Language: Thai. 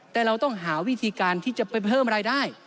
แต่เราต้องหาวิธีการที่จะไปเพิ่มรายได้